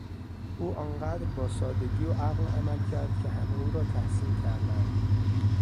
او آنقدر با سادگی و عقل عمل کرد که همه او را تحسین کردند.